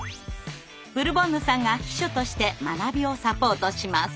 ブルボンヌさんが秘書として学びをサポートします。